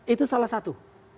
itu salah satu